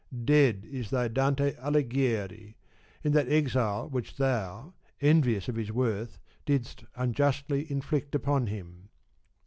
Dead is thy Dante Alighieri, in that exile which thou, envious of his worth, didst unjustly inflict upon him.